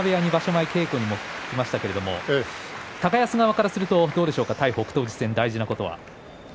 前、稽古に来ましたが高安側からするとどうでしょうか対北勝富士戦、大事なことは。